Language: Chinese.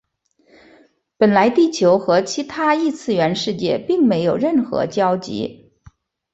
本来地球和其他异次元世界并没有任何交集。